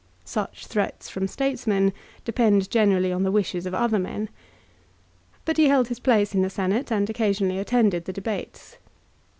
Such threats from statesmen depend generally on the wishes of other men. But he held his place in the Senate and occasionally attended the debates.